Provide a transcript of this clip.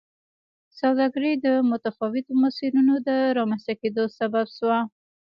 سوداګري د متفاوتو مسیرونو د رامنځته کېدو سبب شوه.